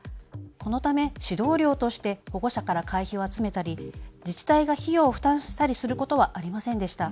このため指導料として保護者から会費を集めたり自治体が費用を負担したりすることはありませんでした。